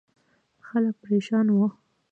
خلک پرېشان وو.